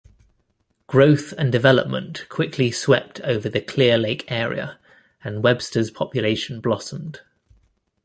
Growth and development quickly swept over the Clear Lake Area, and Webster's population blossomed.